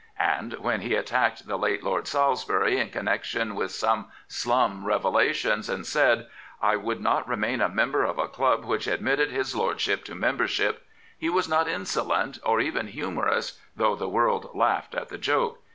And when he attacked the late Lord Salisbury in connection with some slum revelations, and said, " I would not remain a member of a club which admitted his lordship to membership," he was not insolent, or even humorous, though the world laughed at the joke.